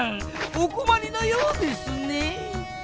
おこまりのようですねぇ。